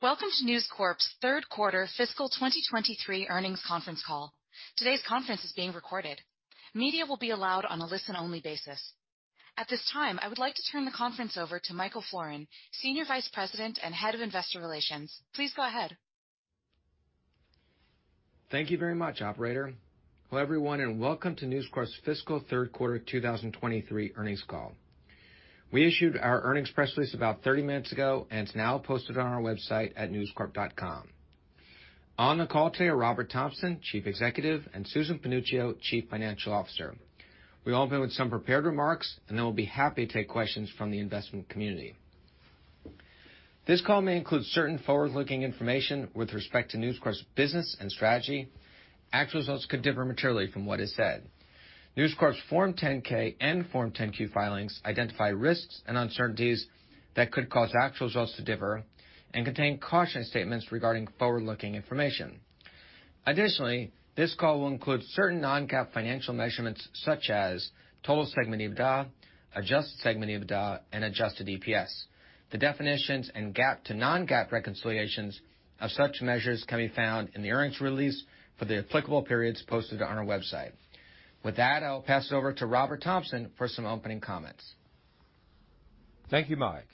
Welcome to News Corp's Third Quarter Fiscal 2023 Earnings Conference Call. Today's conference is being recorded. Media will be allowed on a listen-only basis. At this time, I would like to turn the conference over to Michael Florin, Senior Vice President and Head of Investor Relations. Please go ahead. Thank you very much, operator. Hello, everyone, and welcome to News Corp's Fiscal Third Quarter 2023 Earnings Call. We issued our earnings press release about 30 minutes ago, and it's now posted on our website at newscorp.com. On the call today are Robert Thomson, Chief Executive, and Susan Panuccio, Chief Financial Officer. We all begin with some prepared remarks, and then we'll be happy to take questions from the investment community. This call may include certain forward-looking information with respect to News Corp's business and strategy. Actual results could differ materially from what is said. News Corp's Form 10-K and Form 10-Q filings identify risks and uncertainties that could cause actual results to differ and contain caution statements regarding forward-looking information. Additionally, this call will include certain non-GAAP financial measurements such as total segment EBITDA, adjusted segment EBITDA, and adjusted EPS. The definitions and GAAP to non-GAAP reconciliations of such measures can be found in the earnings release for the applicable periods posted on our website. With that, I'll pass it over to Robert Thomson for some opening comments. Thank you, Mike.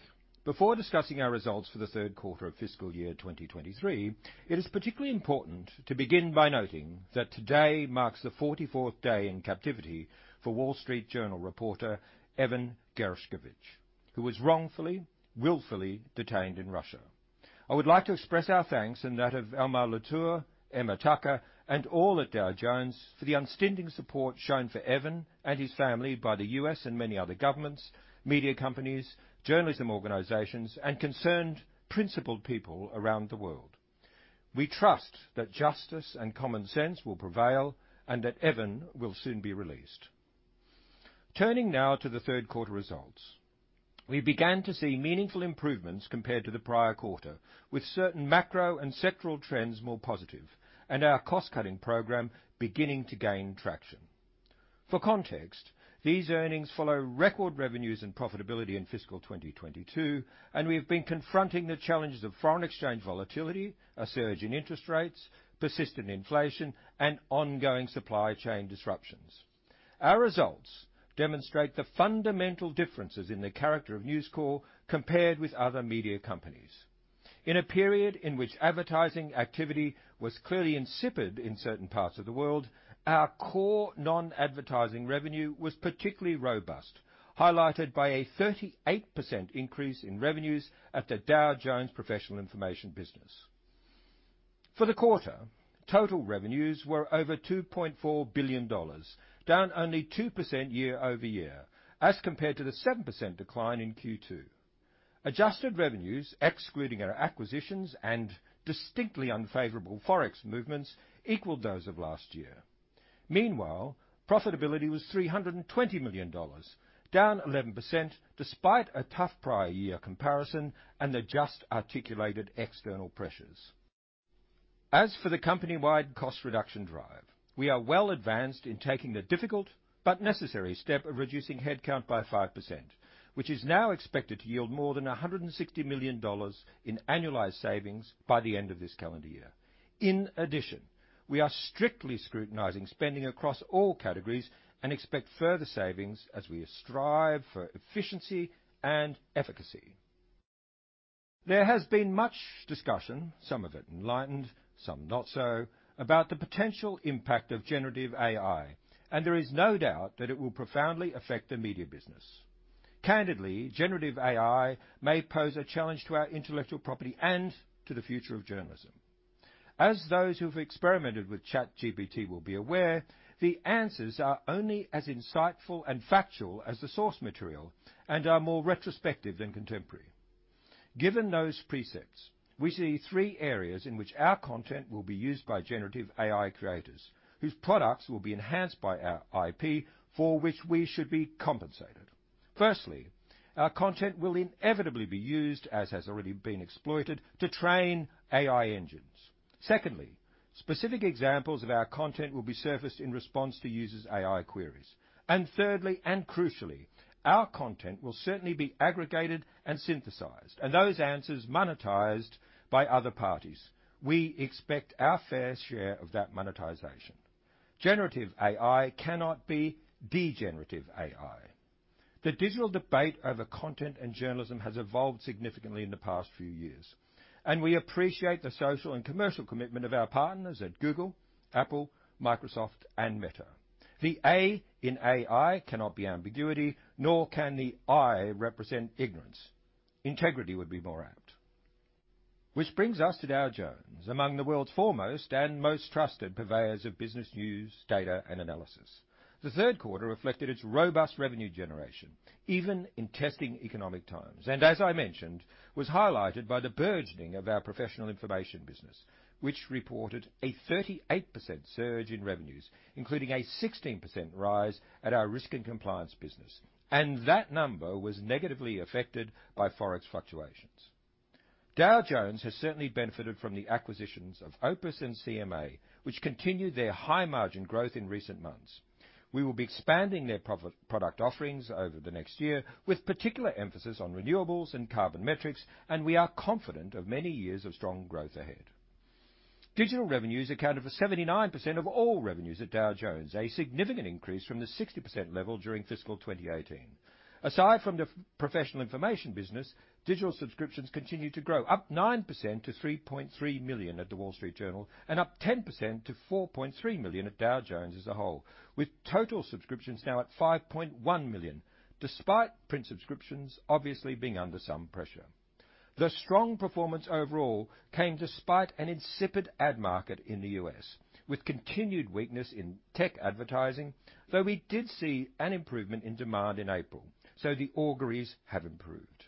Before discussing our results for the third quarter of fiscal year 2023, it is particularly important to begin by noting that today marks the 44th day in captivity for Wall Street Journal reporter Evan Gershkovich, who was wrongfully, willfully detained in Russia. I would like to express our thanks and that of Almar Latour, Emma Tucker, and all at Dow Jones for the unstinting support shown for Evan and his family by the U.S. and many other governments, media companies, journalism organizations, and concerned principled people around the world. We trust that justice and common sense will prevail and that Evan will soon be released. Turning now to the third quarter results. We began to see meaningful improvements compared to the prior quarter, with certain macro and sectoral trends more positive and our cost-cutting program beginning to gain traction. For context, these earnings follow record revenues and profitability in fiscal 2022. We have been confronting the challenges of foreign exchange volatility, a surge in interest rates, persistent inflation, and ongoing supply chain disruptions. Our results demonstrate the fundamental differences in the character of News Corp compared with other media companies. In a period in which advertising activity was clearly insipid in certain parts of the world, our core non-advertising revenue was particularly robust, highlighted by a 38% increase in revenues at the Dow Jones Professional Information Business. For the quarter, total revenues were over $2.4 billion, down only 2% year-over-year, as compared to the 7% decline in Q2. Adjusted revenues, excluding our acquisitions and distinctly unfavorable Forex movements, equaled those of last year. Meanwhile, profitability was $320 million, down 11% despite a tough prior year comparison and the just articulated external pressures. As for the company-wide cost reduction drive, we are well advanced in taking the difficult but necessary step of reducing headcount by 5%, which is now expected to yield more than $160 million in annualized savings by the end of this calendar year. In addition, we are strictly scrutinizing spending across all categories and expect further savings as we strive for efficiency and efficacy. There has been much discussion, some of it enlightened, some not so, about the potential impact of generative AI, and there is no doubt that it will profoundly affect the media business. Candidly, generative AI may pose a challenge to our intellectual property and to the future of journalism. As those who've experimented with ChatGPT will be aware, the answers are only as insightful and factual as the source material and are more retrospective than contemporary. Given those presets, we see three areas in which our content will be used by generative AI creators whose products will be enhanced by our IP for which we should be compensated. Firstly, our content will inevitably be used, as has already been exploited, to train AI engines. Secondly, specific examples of our content will be surfaced in response to users' AI queries. Thirdly and crucially, our content will certainly be aggregated and synthesized, and those answers monetized by other parties. We expect our fair share of that monetization. Generative AI cannot be degenerative AI. The digital debate over content and journalism has evolved significantly in the past few years. We appreciate the social and commercial commitment of our partners at Google, Apple, Microsoft, and Meta. The A in AI cannot be ambiguity, nor can the I represent ignorance. Integrity would be more apt. Which brings us to Dow Jones. Among the world's foremost and most trusted purveyors of business news, data, and analysis. The third quarter reflected its robust revenue generation, even in testing economic times. As I mentioned, was highlighted by the burgeoning of our professional information business, which reported a 38% surge in revenues, including a 16% rise at our risk and compliance business. That number was negatively affected by Forex fluctuations. Dow Jones has certainly benefited from the acquisitions of OPIS and CMA, which continued their high margin growth in recent months. We will be expanding their product offerings over the next year, with particular emphasis on renewables and carbon metrics. We are confident of many years of strong growth ahead. Digital revenues accounted for 79% of all revenues at Dow Jones, a significant increase from the 60% level during fiscal 2018. Aside from the professional information business, digital subscriptions continue to grow at 9% to $3.3 million at The Wall Street Journal, up 10% to $4.3 million at Dow Jones as a whole, with total subscriptions now at $5.1 million, despite print subscriptions obviously being under some pressure. The strong performance overall came despite an insipid ad market in the U.S., with continued weakness in tech advertising. We did see an improvement in demand in April. The auguries have improved.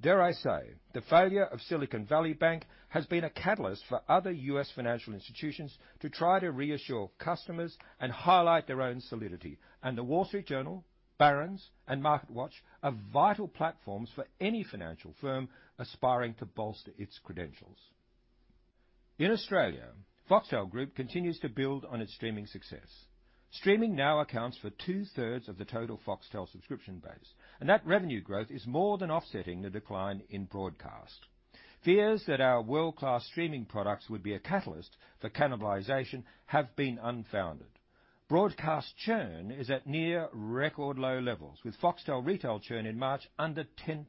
Dare I say, the failure of Silicon Valley Bank has been a catalyst for other U.S. financial institutions to try to reassure customers and highlight their own solidity. The Wall Street Journal, Barron's, and MarketWatch are vital platforms for any financial firm aspiring to bolster its credentials. In Australia, Foxtel Group continues to build on its streaming success. Streaming now accounts for two-thirds of the total Foxtel subscription base, and that revenue growth is more than offsetting the decline in broadcast. Fears that our world-class streaming products would be a catalyst for cannibalization have been unfounded. Broadcast churn is at near record low levels, with Foxtel retail churn in March under 10%.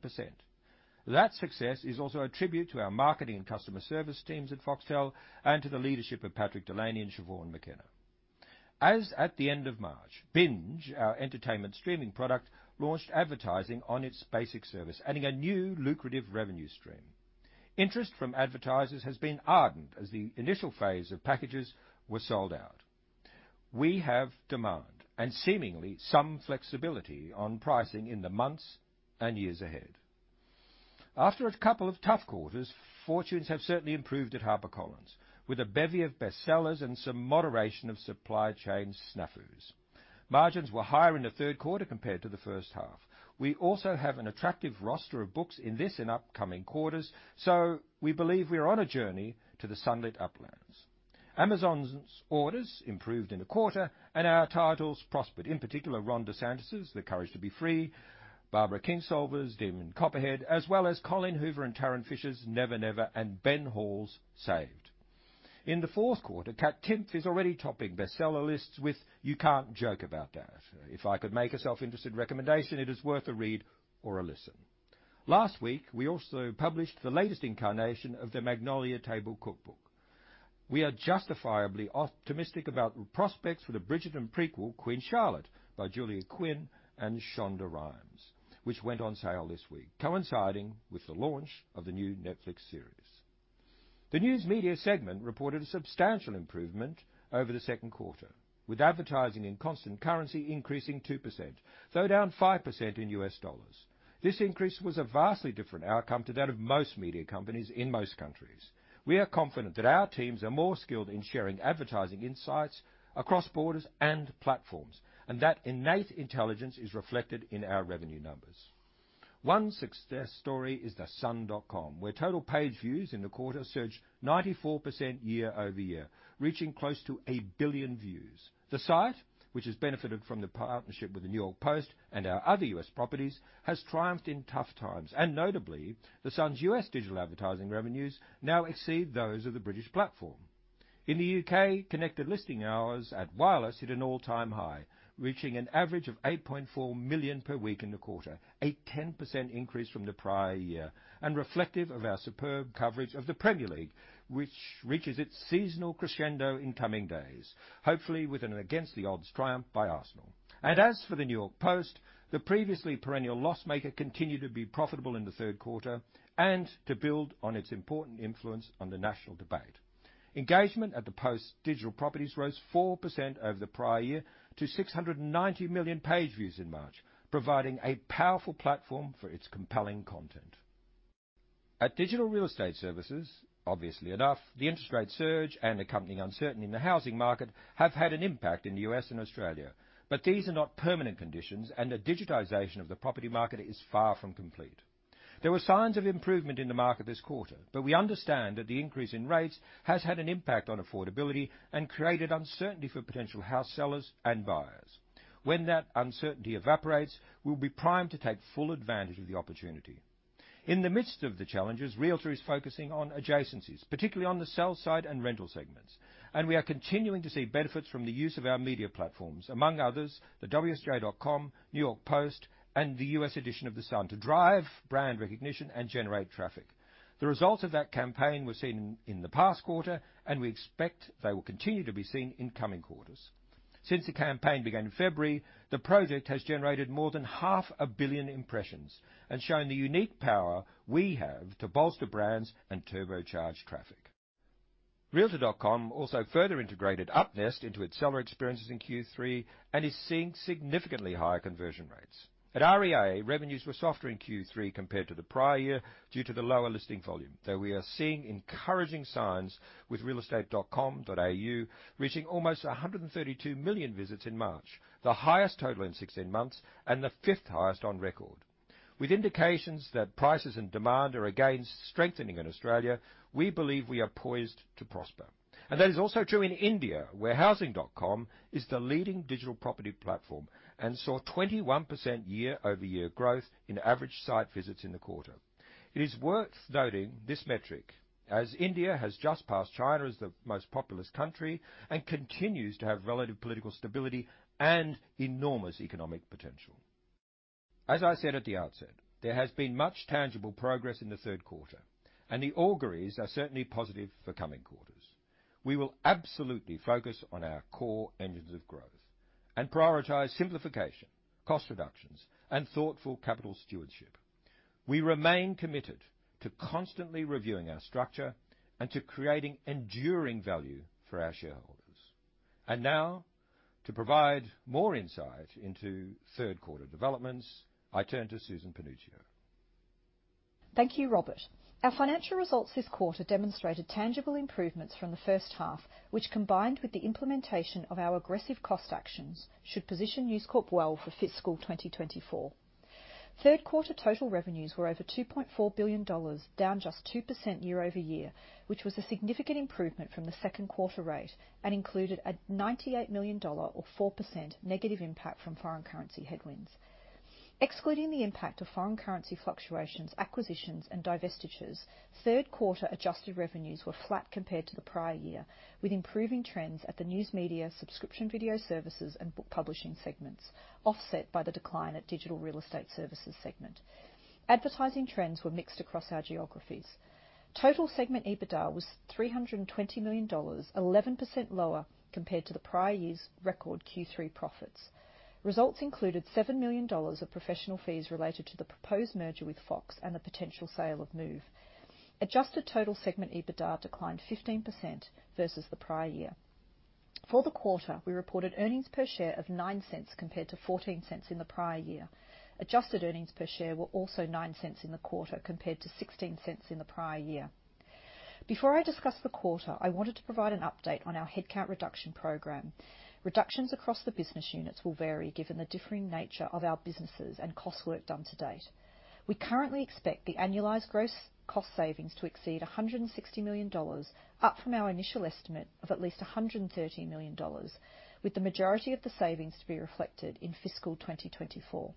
That success is also a tribute to our marketing and customer service teams at Foxtel and to the leadership of Patrick Delany and Siobhan McKenna. As at the end of March, Binge, our entertainment streaming product, launched advertising on its basic service, adding a new lucrative revenue stream. Interest from advertisers has been ardent as the initial phase of packages were sold out. We have demand and seemingly some flexibility on pricing in the months and years ahead. After a couple of tough quarters, fortunes have certainly improved at HarperCollins, with a bevy of bestsellers and some moderation of supply chain snafus. Margins were higher in the third quarter compared to the first half. We also have an attractive roster of books in this and upcoming quarters. We believe we are on a journey to the sunlit uplands. Amazon's orders improved in the quarter and our titles prospered, in particular Ron DeSantis', The Courage to Be Free, Barbara Kingsolver's, Demon Copperhead, as well as Colleen Hoover and Tarryn Fisher's, Never, and Ben Hall's, Saved. In the fourth quarter, Kat Timpf is already topping bestseller lists with You Can't Joke About That. If I could make a self-interested recommendation, it is worth a read or a listen. Last week, we also published the latest incarnation of the Magnolia Table Cookbook. We are justifiably optimistic about the prospects for the Bridgerton prequel, Queen Charlotte, by Julia Quinn and Shonda Rhimes, which went on sale this week, coinciding with the launch of the new Netflix series. The news media segment reported a substantial improvement over the second quarter, with advertising in constant currency increasing 2%, though down 5% in $. This increase was a vastly different outcome to that of most media companies in most countries. We are confident that our teams are more skilled in sharing advertising insights across borders and platforms, that innate intelligence is reflected in our revenue numbers. One success story is The-Sun.com, where total page views in the quarter surged 94% year-over-year, reaching close to 1 billion views. The site, which has benefited from the partnership with the New York Post and our other U.S. properties, has triumphed in tough times. Notably, The Sun's U.S. digital advertising revenues now exceed those of the British platform. In the U.K., connected listing hours at Wireless hit an all-time high, reaching an average of 8.4 million per week in the quarter, a 10% increase from the prior year, reflective of our superb coverage of the Premier League, which reaches its seasonal crescendo in coming days, hopefully with an against the odds triumph by Arsenal. As for the New York Post, the previously perennial loss-maker continued to be profitable in the third quarter and to build on its important influence on the national debate. Engagement at the Post digital properties rose 4% over the prior year to 690 million page views in March, providing a powerful platform for its compelling content. At Digital Real Estate Services, obviously enough, the interest rate surge and accompanying uncertainty in the housing market have had an impact in the U.S. and Australia. These are not permanent conditions, and the digitization of the property market is far from complete. There were signs of improvement in the market this quarter, we understand that the increase in rates has had an impact on affordability and created uncertainty for potential house sellers and buyers. When that uncertainty evaporates, we'll be primed to take full advantage of the opportunity. In the midst of the challenges, Realtor is focusing on adjacencies, particularly on the sell side and rental segments, and we are continuing to see benefits from the use of our media platforms, among others, the WSJ.com, New York Post, and the U.S. edition of The Sun, to drive brand recognition and generate traffic. The result of that campaign was seen in the past quarter, and we expect they will continue to be seen in coming quarters. Since the campaign began in February, the project has generated more than half a billion impressions and shown the unique power we have to bolster brands and turbocharge traffic. Realtor.com also further integrated UpNest into its seller experiences in Q3 and is seeing significantly higher conversion rates. At REA, revenues were softer in Q3 compared to the prior year due to the lower listing volume, though we are seeing encouraging signs with realestate.com.au reaching almost 132 million visits in March, the highest total in 16 months and the fifth highest on record. With indications that prices and demand are again strengthening in Australia, we believe we are poised to prosper. That is also true in India, where Housing.com is the leading digital property platform and saw 21% year-over-year growth in average site visits in the quarter. It is worth noting this metric, as India has just passed China as the most populous country and continues to have relative political stability and enormous economic potential. As I said at the outset, there has been much tangible progress in the third quarter, and the auguries are certainly positive for coming quarters. We will absolutely focus on our core engines of growth and prioritize simplification, cost reductions, and thoughtful capital stewardship. We remain committed to constantly reviewing our structure and to creating enduring value for our shareholders. Now, to provide more insight into third quarter developments, I turn to Susan Panuccio. Thank you, Robert. Our financial results this quarter demonstrated tangible improvements from the first half, which combined with the implementation of our aggressive cost actions, should position News Corp well for fiscal 2024. Third quarter total revenues were over $2.4 billion, down just 2% year-over-year, which was a significant improvement from the second quarter rate and included a $98 million or 4% negative impact from foreign currency headwinds. Excluding the impact of foreign currency fluctuations, acquisitions, and divestitures, third quarter adjusted revenues were flat compared to the prior year, with improving trends at the news media, subscription video services, and book publishing segments offset by the decline at Digital Real Estate Services segment. Advertising trends were mixed across our geographies. Total segment EBITDA was $320 million, 11% lower compared to the prior year's record Q3 profits. Results included $7 million of professional fees related to the proposed merger with Fox and the potential sale of Move. Adjusted total segment EBITDA declined 15% versus the prior year. For the quarter, we reported earnings per share of $0.09 compared to $0.14 in the prior year. Adjusted earnings per share were also $0.09 in the quarter compared to $0.16 in the prior year. Before I discuss the quarter, I wanted to provide an update on our headcount reduction program. Reductions across the business units will vary given the differing nature of our businesses and cost work done to date. We currently expect the annualized gross cost savings to exceed $160 million, up from our initial estimate of at least $130 million, with the majority of the savings to be reflected in fiscal 2024.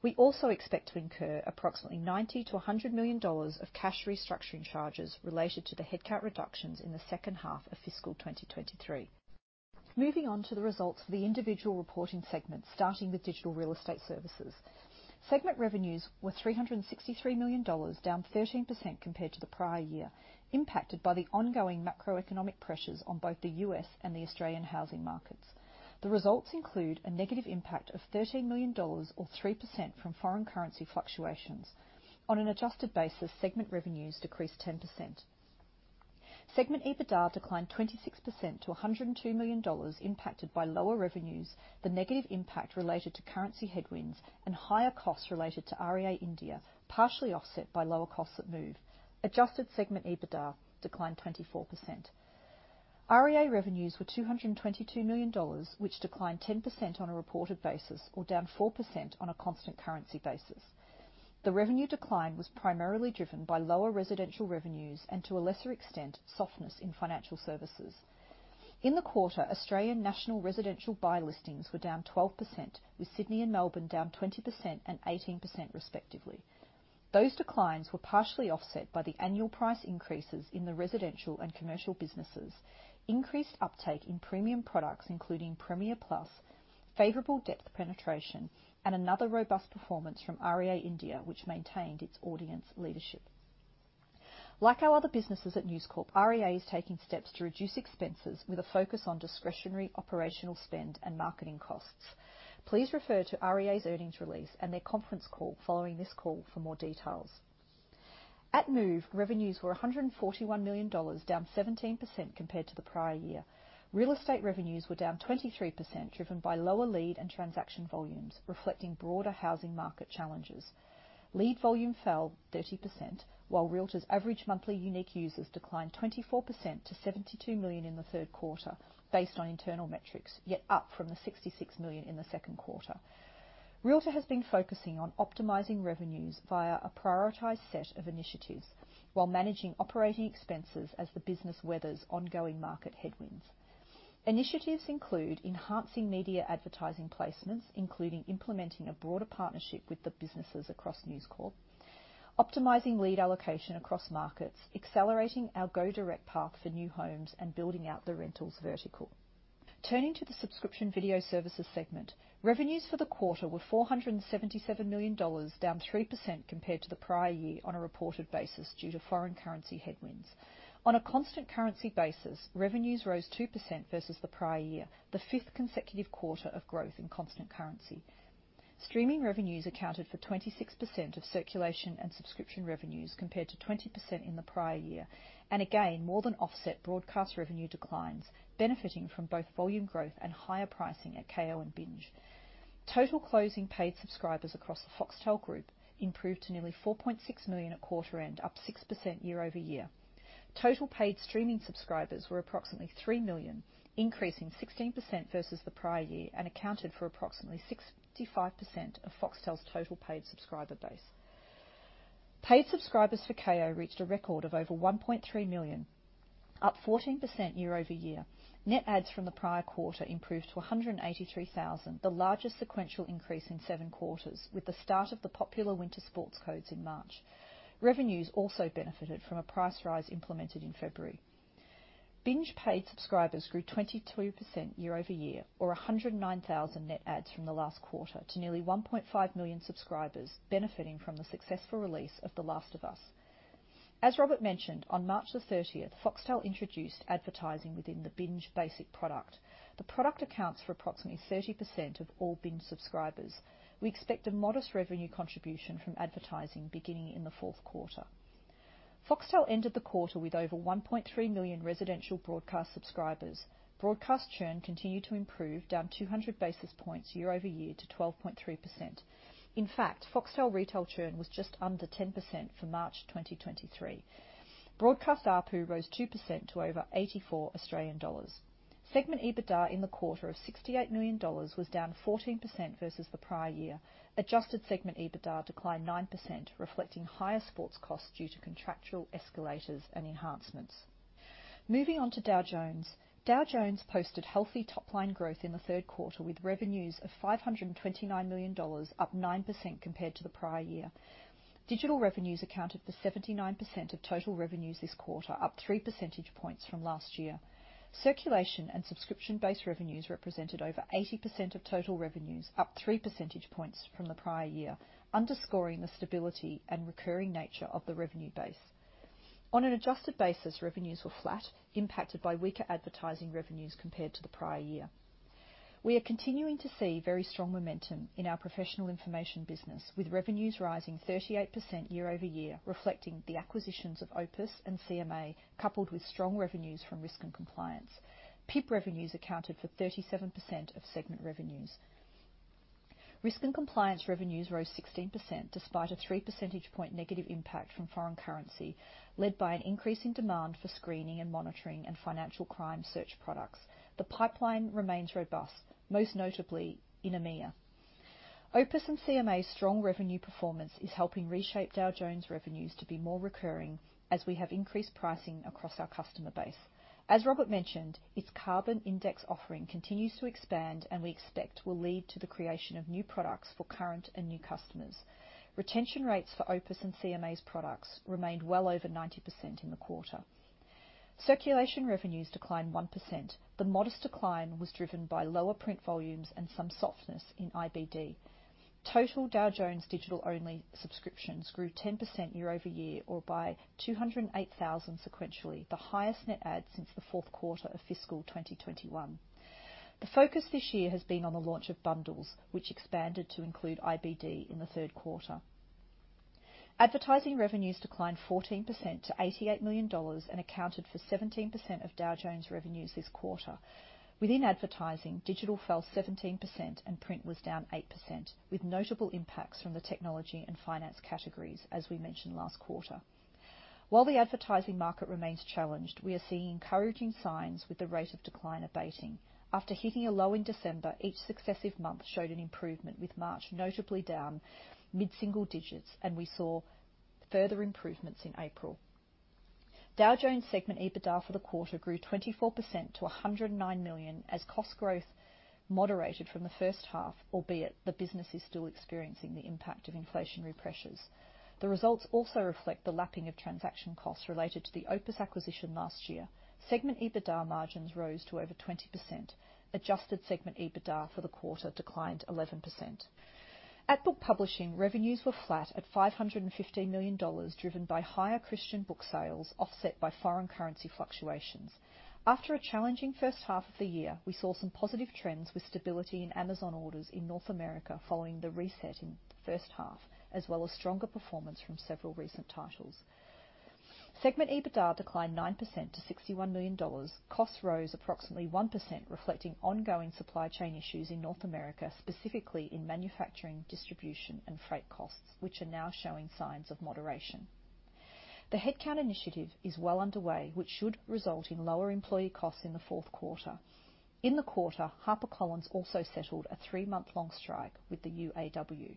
We also expect to incur approximately $90 million-$100 million of cash restructuring charges related to the headcount reductions in the second half of fiscal 2023. Moving on to the results for the individual reporting segments, starting with Digital Real Estate Services. Segment revenues were $363 million, down 13% compared to the prior year, impacted by the ongoing macroeconomic pressures on both the U.S. and the Australian housing markets. The results include a negative impact of $13 million or 3% from foreign currency fluctuations. On an adjusted basis, segment revenues decreased 10%. Segment EBITDA declined 26% to $102 million impacted by lower revenues, the negative impact related to currency headwinds, and higher costs related to REA India, partially offset by lower costs at Move. Adjusted segment EBITDA declined 24%. REA revenues were $222 million, which declined 10% on a reported basis or down 4% on a constant currency basis. The revenue decline was primarily driven by lower residential revenues and to a lesser extent, softness in financial services. In the quarter, Australian National residential buy listings were down 12%, with Sydney and Melbourne down 20% and 18% respectively. Those declines were partially offset by the annual price increases in the residential and commercial businesses, increased uptake in premium products, including Premier Plus, favorable depth penetration, and another robust performance from REA India, which maintained its audience leadership. Like our other businesses at News Corp, REA is taking steps to reduce expenses with a focus on discretionary operational spend and marketing costs. Please refer to REA's earnings release and their conference call following this call for more details. At Move, revenues were $141 million, down 17% compared to the prior year. Real estate revenues were down 23%, driven by lower lead and transaction volumes, reflecting broader housing market challenges. Lead volume fell 30%, while Realtors average monthly unique users declined 24% to 72 million in the third quarter based on internal metrics, yet up from the 66 million in the second quarter. Realtor has been focusing on optimizing revenues via a prioritized set of initiatives while managing operating expenses as the business weathers ongoing market headwinds. Initiatives include enhancing media advertising placements, including implementing a broader partnership with the businesses across News Corp, optimizing lead allocation across markets, accelerating our go direct path for new homes, and building out the rentals vertical. Turning to the subscription video services segment. Revenues for the quarter were $477 million, down 3% compared to the prior year on a reported basis due to foreign currency headwinds. On a constant currency basis, revenues rose 2% versus the prior year, the fifth consecutive quarter of growth in constant currency. Streaming revenues accounted for 26% of circulation and subscription revenues, compared to 20% in the prior year. Again, more than offset broadcast revenue declines benefiting from both volume growth and higher pricing at Kayo and Binge. Total closing paid subscribers across the Foxtel Group improved to nearly 4.6 million at quarter end, up 6% year-over-year. Total paid streaming subscribers were approximately 3 million, increasing 16% versus the prior year, and accounted for approximately 65% of Foxtel's total paid subscriber base. Paid subscribers for Kayo reached a record of over 1.3 million, up 14% year-over-year. Net adds from the prior quarter improved to 183,000, the largest sequential increase in seven quarters, with the start of the popular winter sports codes in March. Revenues also benefited from a price rise implemented in February. Binge paid subscribers grew 22% year-over-year, or 109,000 net adds from the last quarter to nearly 1.5 million subscribers benefiting from the successful release of The Last of Us. As Robert mentioned, on March the 30th, Foxtel introduced advertising within the Binge basic product. The product accounts for approximately 30% of all Binge subscribers. We expect a modest revenue contribution from advertising beginning in the fourth quarter. Foxtel ended the quarter with over 1.3 million residential broadcast subscribers. Broadcast churn continued to improve, down 200 basis points year-over-year to 12.3%. Foxtel retail churn was just under 10% for March 2023. Broadcast ARPU rose 2% to over 84 Australian dollars. Segment EBITDA in the quarter of $68 million was down 14% versus the prior year. Adjusted segment EBITDA declined 9%, reflecting higher sports costs due to contractual escalators and enhancements. Moving on to Dow Jones. Dow Jones posted healthy top-line growth in the third quarter, with revenues of $529 million, up 9% compared to the prior year. Digital revenues accounted for 79% of total revenues this quarter, up 3 percentage points from last year. Circulation and subscription-based revenues represented over 80% of total revenues, up 3 percentage points from the prior year, underscoring the stability and recurring nature of the revenue base. On an adjusted basis, revenues were flat, impacted by weaker advertising revenues compared to the prior year. We are continuing to see very strong momentum in our professional information business, with revenues rising 38% year-over-year, reflecting the acquisitions of OPIS and CMA, coupled with strong revenues from risk and compliance. PIP revenues accounted for 37% of segment revenues. Risk and compliance revenues rose 16% despite a 3 percentage point negative impact from foreign currency, led by an increase in demand for screening and monitoring and financial crime search products. The pipeline remains robust, most notably in EMEA. OPIS and CMA's strong revenue performance is helping reshape Dow Jones revenues to be more recurring as we have increased pricing across our customer base. As Robert mentioned, its carbon index offering continues to expand and we expect will lead to the creation of new products for current and new customers. Retention rates for OPIS and CMA's products remained well over 90% in the quarter. Circulation revenues declined 1%. The modest decline was driven by lower print volumes and some softness in IBD. Total Dow Jones digital-only subscriptions grew 10% year-over-year, or by 208,000 sequentially, the highest net add since the fourth quarter of fiscal 2021. The focus this year has been on the launch of bundles, which expanded to include IBD in the third quarter. Advertising revenues declined 14% to $88 million and accounted for 17% of Dow Jones revenues this quarter. Within advertising, digital fell 17% and print was down 8%, with notable impacts from the technology and finance categories, as we mentioned last quarter. While the advertising market remains challenged, we are seeing encouraging signs with the rate of decline abating. After hitting a low in December, each successive month showed an improvement, with March notably down mid-single digits, and we saw further improvements in April. Dow Jones segment EBITDA for the quarter grew 24% to $109 million as cost growth moderated from the first half, albeit the business is still experiencing the impact of inflationary pressures. The results also reflect the lapping of transaction costs related to the OPIS acquisition last year. Segment EBITDA margins rose to over 20%. Adjusted segment EBITDA for the quarter declined 11%. At book publishing, revenues were flat at $550 million, driven by higher Christian book sales offset by foreign currency fluctuations. After a challenging first half of the year, we saw some positive trends with stability in Amazon orders in North America following the reset in the first half, as well as stronger performance from several recent titles. Segment EBITDA declined 9% to $61 million. Costs rose approximately 1%, reflecting ongoing supply chain issues in North America, specifically in manufacturing, distribution, and freight costs, which are now showing signs of moderation. The headcount initiative is well underway, which should result in lower employee costs in the fourth quarter. In the quarter, HarperCollins also settled a three-month-long strike with the UAW.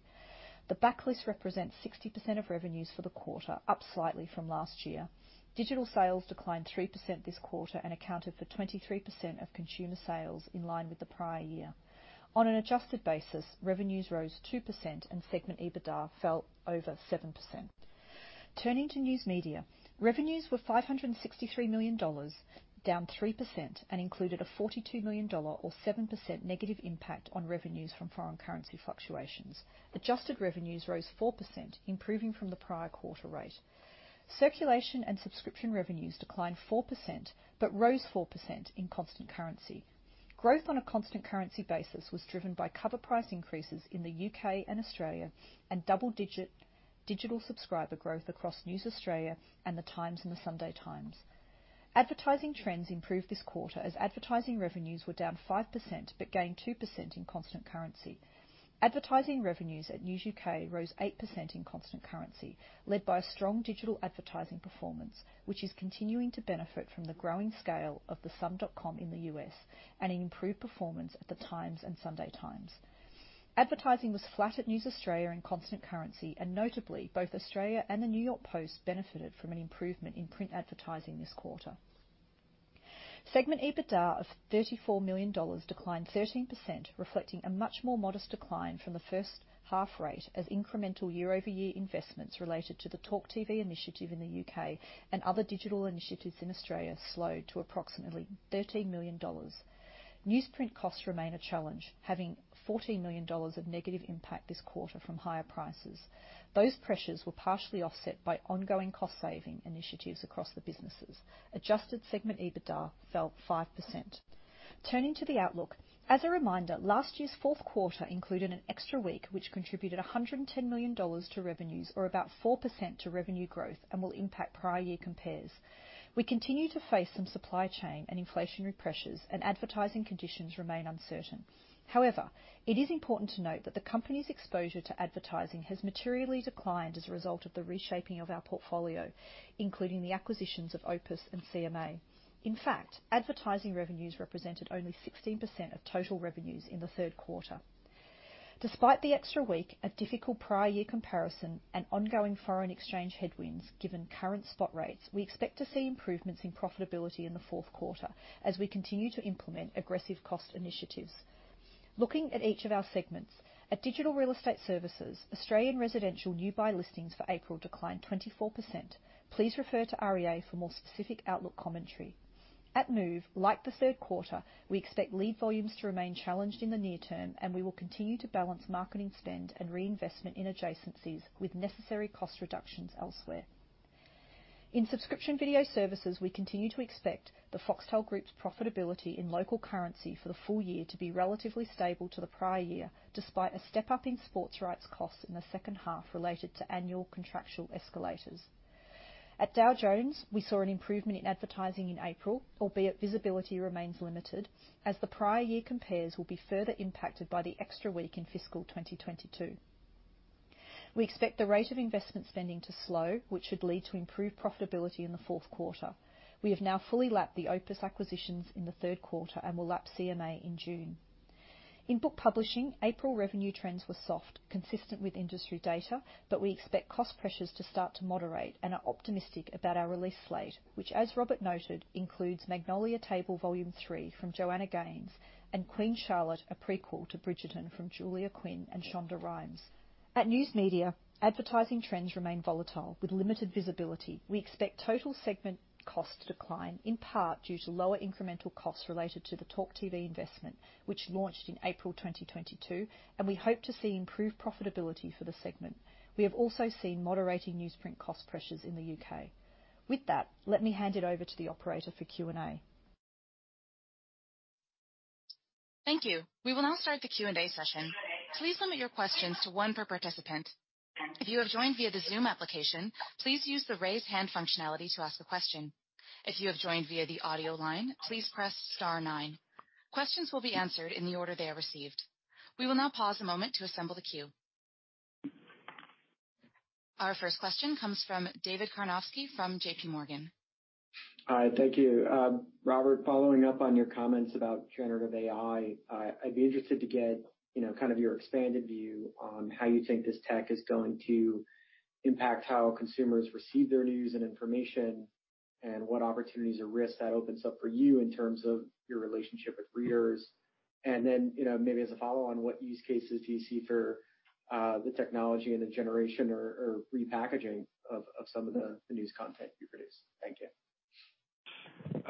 The backlist represents 60% of revenues for the quarter, up slightly from last year. Digital sales declined 3% this quarter and accounted for 23% of consumer sales in line with the prior year. On an adjusted basis, revenues rose 2% and segment EBITDA fell over 7%. Turning to News Media. Revenues were $563 million, down 3%, and included a $42 million or 7% negative impact on revenues from foreign currency fluctuations. Adjusted revenues rose 4%, improving from the prior quarter rate. Circulation and subscription revenues declined 4%, but rose 4% in constant currency. Growth on a constant currency basis was driven by cover price increases in the U.K. and Australia and double-digit digital subscriber growth across News Australia and The Times and The Sunday Times. Advertising trends improved this quarter as advertising revenues were down 5% but gained 2% in constant currency. Advertising revenues at News UK rose 8% in constant currency, led by strong digital advertising performance, which is continuing to benefit from the growing scale of The-Sun.com in the US and an improved performance at The Times and The Sunday Times. Advertising was flat at News Australia in constant currency, and notably, both Australia and the New York Post benefited from an improvement in print advertising this quarter. Segment EBITDA of $34 million declined 13%, reflecting a much more modest decline from the first half rate as incremental year-over-year investments related to the TalkTV initiative in the UK and other digital initiatives in Australia slowed to approximately $13 million. Newsprint costs remain a challenge, having $14 million of negative impact this quarter from higher prices. Those pressures were partially offset by ongoing cost-saving initiatives across the businesses. Adjusted segment EBITDA fell 5%. Turning to the outlook. As a reminder, last year's fourth quarter included an extra week, which contributed $110 million to revenues or about 4% to revenue growth and will impact prior year compares. We continue to face some supply chain and inflationary pressures and advertising conditions remain uncertain. However, it is important to note that the company's exposure to advertising has materially declined as a result of the reshaping of our portfolio, including the acquisitions of OPIS and CMA. In fact, advertising revenues represented only 16% of total revenues in the third quarter. Despite the extra week, a difficult prior year comparison and ongoing foreign exchange headwinds, given current spot rates, we expect to see improvements in profitability in the fourth quarter as we continue to implement aggressive cost initiatives. Looking at each of our segments. At Digital Real Estate Services, Australian residential new buy listings for April declined 24%. Please refer to REA for more specific outlook commentary. At Move, like the 3rd quarter, we expect lead volumes to remain challenged in the near term, and we will continue to balance marketing spend and reinvestment in adjacencies with necessary cost reductions elsewhere. In Subscription Video Services, we continue to expect the Foxtel Group's profitability in local currency for the full year to be relatively stable to the prior year, despite a step-up in sports rights costs in the 2nd half related to annual contractual escalators. At Dow Jones, we saw an improvement in advertising in April, albeit visibility remains limited, as the prior year compares will be further impacted by the extra week in fiscal 2022. We expect the rate of investment spending to slow, which should lead to improved profitability in the fourth quarter. We have now fully lapped the OPIS acquisitions in the third quarter and will lap CMA in June. In book publishing, April revenue trends were soft, consistent with industry data, but we expect cost pressures to start to moderate and are optimistic about our release slate, which, as Robert noted, includes Magnolia Table, Volume 3 from Joanna Gaines and Queen Charlotte, a prequel to Bridgerton from Julia Quinn and Shonda Rhimes. At News Media, advertising trends remain volatile with limited visibility. We expect total segment costs to decline, in part due to lower incremental costs related to the TalkTV investment, which launched in April 2022, and we hope to see improved profitability for the segment. We have also seen moderating newsprint cost pressures in the U.K. With that, let me hand it over to the operator for Q&A. Thank you. We will now start the Q&A session. Please limit your questions to one per participant. If you have joined via the Zoom application, please use the raise hand functionality to ask a question. If you have joined via the audio line, please press star 9. Questions will be answered in the order they are received. We will now pause a moment to assemble the queue. Our first question comes from David Karnovsky from J.P.Morgan. Hi. Thank you. Robert, following up on your comments about generative AI, I'd be interested to get, you know, kind of your expanded view on how you think this tech is going to impact how consumers receive their news and information and what opportunities or risks that opens up for you in terms of your relationship with readers. You know, maybe as a follow-on, what use cases do you see for the technology and the generation or repackaging of some of the news content you produce? Thank you.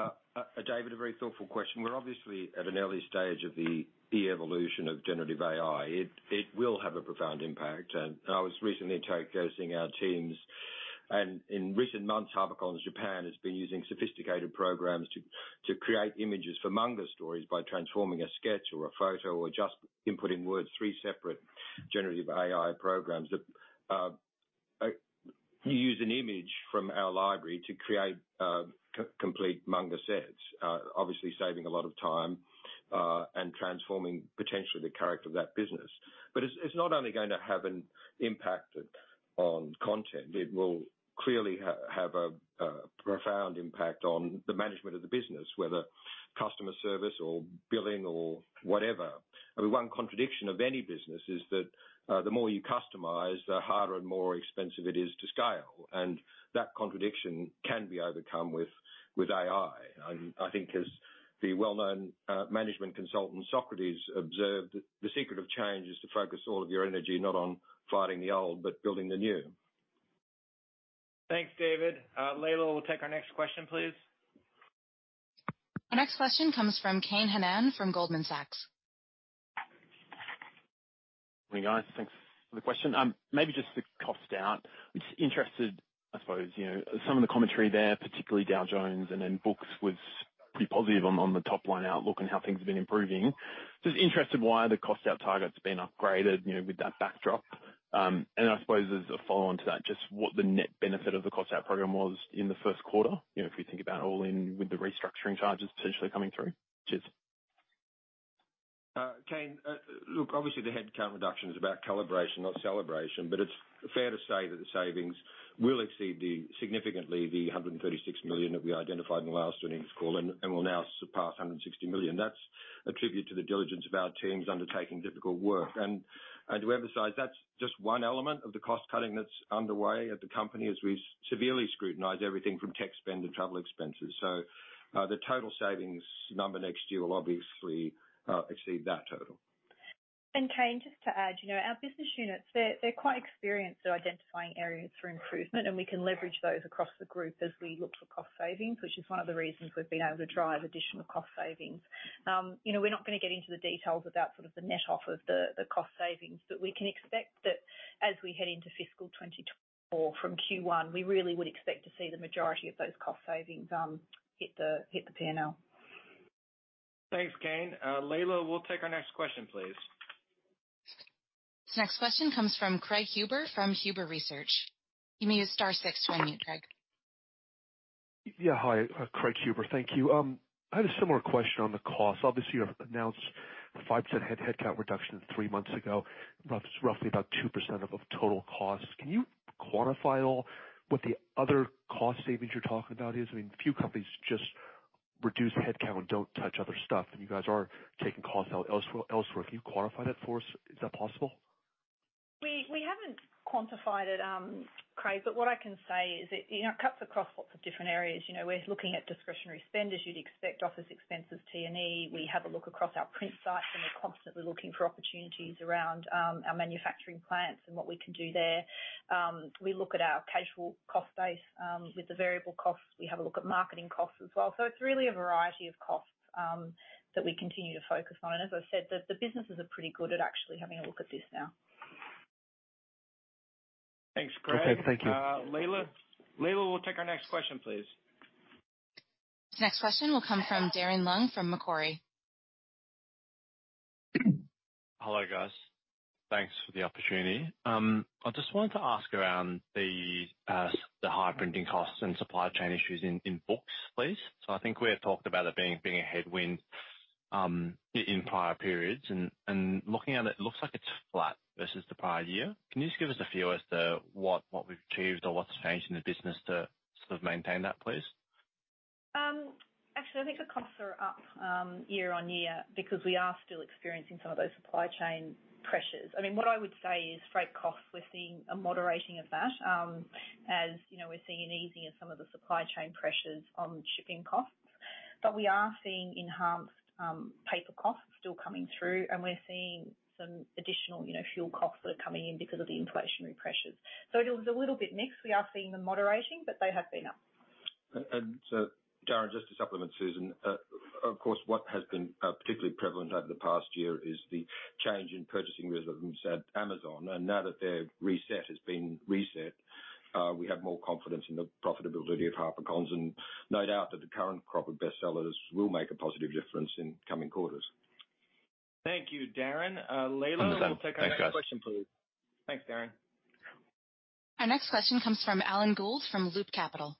David, a very thoughtful question. We're obviously at an early stage of the e-evolution of generative AI. It will have a profound impact. I was recently showcasing our teams, and in recent months, Tabcorp Japan has been using sophisticated programs to create images for Munger stories by transforming a sketch or a photo or just inputting words, three separate generative AI programs that use an image from our library to create complete Munger sets. Obviously saving a lot of time and transforming potentially the character of that business. It's not only going to have an impact on content, it will clearly have a profound impact on the management of the business, whether customer service or billing or whatever.I mean, one contradiction of any business is that the more you customize, the harder and more expensive it is to scale, and that contradiction can be overcome with AI. I think as the well-known, management consultant, Socrates, observed, "The secret of change is to focus all of your energy not on fighting the old, but building the new. Thanks, David. Layla, we'll take our next question, please. Our next question comes from Kane Hannan from Goldman Sachs. Morning, guys. Thanks for the question. Maybe just the cost out. Interested, I suppose, you know, some of the commentary there, particularly Dow Jones and then Books was pretty positive on the top line outlook and how things have been improving. Interested why the cost out target's been upgraded, you know, with that backdrop. I suppose as a follow-on to that, just what the net benefit of the cost out program was in the first quarter. You know, if we think about all-in with the restructuring charges potentially coming through. Cheers. Kane, look, obviously the headcount reduction is about calibration, not celebration, but it's fair to say that the savings will exceed significantly the $136 million that we identified in the last earnings call and will now surpass $160 million. Attributed to the diligence of our teams undertaking difficult work. To emphasize, that's just one element of the cost cutting that's underway at the company, as we severely scrutinize everything from tech spend to travel expenses. The total savings number next year will obviously exceed that total. Kane, just to add, you know, our business units, they're quite experienced at identifying areas for improvement, and we can leverage those across the group as we look for cost savings, which is one of the reasons we've been able to drive additional cost savings. You know, we're not gonna get into the details about sort of the net off of the cost savings. We can expect that as we head into fiscal 24 from Q1, we really would expect to see the majority of those cost savings hit the P&L. Thanks, Kane. Layla, we'll take our next question, please. The next question comes from Craig Huber from Huber Research. You may use star six to unmute, Craig. Hi, Craig Huber. Thank you. I had a similar question on the cost. Obviously, you've announced 5% headcount reduction 3 months ago, roughly about 2% of total costs. Can you quantify all what the other cost savings you're talking about is? I mean, few companies just reduce headcount and don't touch other stuff. You guys are taking costs out elsewhere. Can you quantify that for us? Is that possible? We haven't quantified it, Craig, but what I can say is that, you know, it cuts across lots of different areas. You know, we're looking at discretionary spend, as you'd expect, office expenses, T&E. We have a look across our print sites; we're constantly looking for opportunities around our manufacturing plants and what we can do there. We look at our casual cost base, with the variable costs. We have a look at marketing costs as well. It's really a variety of costs that we continue to focus on. As I've said, the businesses are pretty good at actually having a look at this now. Thanks, Craig. Okay. Thank you. Layla, we'll take our next question, please. The next question will come from Darren Leung from Macquarie. Hello, guys. Thanks for the opportunity. I just wanted to ask around the higher printing costs and supply chain issues in books, please. I think we have talked about it being a headwind in prior periods. looking at it looks like it's flat versus the prior year. Can you just give us a view as to what we've achieved or what's changed in the business to sort of maintain that, please? I think the costs are up year-on-year because we are still experiencing some of those supply chain pressures. What I would say is freight costs, we're seeing a moderating of that as we're seeing an easing in some of the supply chain pressures on shipping costs. We are seeing enhanced paper costs still coming through, and we're seeing some additional fuel costs that are coming in because of the inflationary pressures. It is a little bit mixed. We are seeing them moderating, but they have been up. Darren, just to supplement Susan, of course, what has been particularly prevalent over the past year is the change in purchasing resilience at Amazon. Now that their reset has been reset, we have more confidence in the profitability of HarperCollins. No doubt that the current crop of bestsellers will make a positive difference in coming quarters. Thank you, Darren. Layla. Well, done. Thanks, guys. We'll take our next question, please. Thanks, Darren. Our next question comes from Alan Gould from Loop Capital.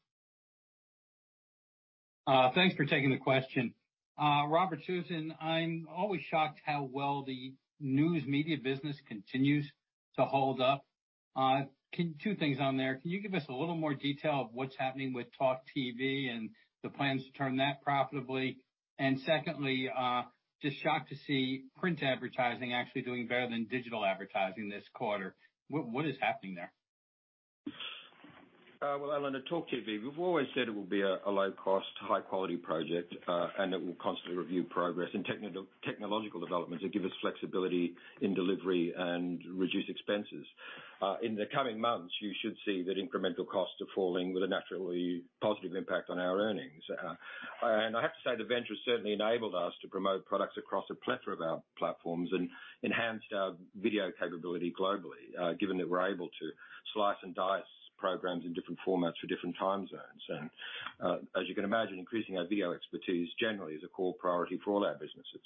Thanks for taking the question. Robert, Susan, I'm always shocked how well the news media business continues to hold up. Two things on there. Can you give us a little more detail of what's happening with TalkTV and the plans to turn that profitably? Secondly, just shocked to see print advertising actually doing better than digital advertising this quarter. What is happening there? Well, Alan, at TalkTV, we've always said it will be a low-cost, high-quality project, and it will constantly review progress in technological developments that give us flexibility in delivery and reduce expenses. In the coming months, you should see that incremental costs are falling with a naturally positive impact on our earnings. I have to say, the venture certainly enabled us to promote products across a plethora of our platforms and enhanced our video capability globally, given that we're able to slice and dice programs in different formats for different time zones. As you can imagine, increasing our video expertise generally is a core priority for all our businesses.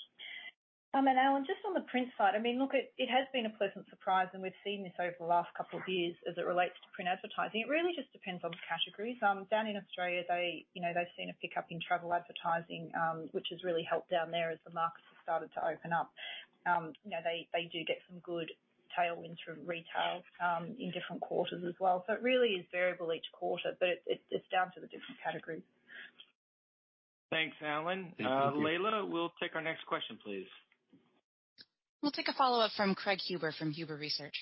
Alan, just on the print side, I mean, look, it has been a pleasant surprise, and we've seen this over the last couple of years as it relates to print advertising. It really just depends on the categories. Down in Australia, they, you know, they've seen a pickup in travel advertising, which has really helped down there as the markets have started to open up. You know, they do get some good tailwinds from retail in different quarters as well. It really is variable each quarter, but it's down to the different categories. Thanks, Alan. Thank you. Layla, we'll take our next question, please. We'll take a follow-up from Craig Huber from Huber Research.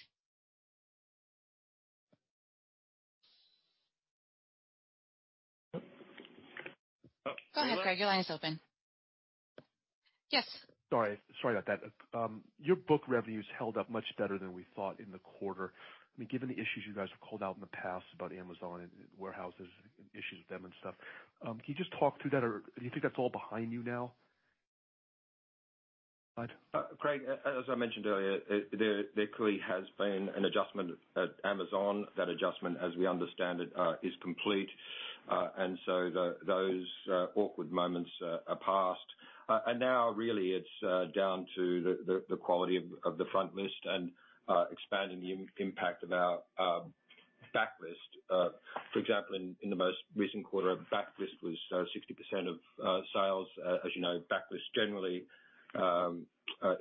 Go ahead, Craig. Your line is open. Yes. Sorry about that. Your book revenues held up much better than we thought in the quarter. I mean, given the issues you guys have called out in the past about Amazon and warehouses, issues with them and stuff, can you just talk through that? Or do you think that's all behind you now? Craig, as I mentioned earlier, there clearly has been an adjustment at Amazon. That adjustment, as we understand it, is complete. Those awkward moments are passed. Really it's down to the quality of the frontlist and expanding the impact of our backlist. For example, in the most recent quarter, our backlist was 60% of sales. As you know, backlist generally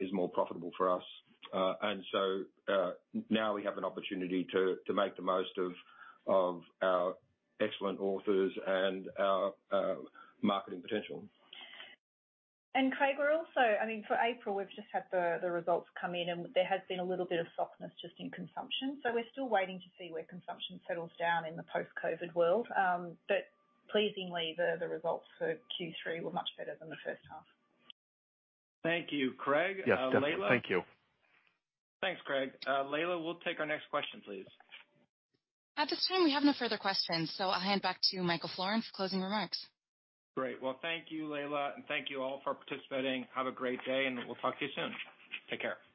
is more profitable for us. Now we have an opportunity to make the most of our excellent authors and our marketing potential. Craig, we're also, I mean, for April, we've just had the results come in, and there has been a little bit of softness just in consumption. We're still waiting to see where consumption settles down in the post-COVID world. Pleasingly, the results for Q3 were much better than the first half. Thank you, Craig. Yes, definitely. Thank you. Layla. Thanks, Craig. Layla, we'll take our next question, please. At this time, we have no further questions, so I'll hand back to Michael Florin, closing remarks. Great. Well, thank you, Layla. Thank you all for participating. Have a great day. We'll talk to you soon. Take care.